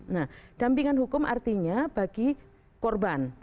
nah dampingan hukum artinya bagi korban